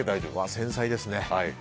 繊細ですね。